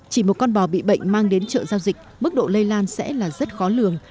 chỉ một con bò bị bệnh mang đến chợ giao dịch mức độ lây lan sẽ là rất khó lường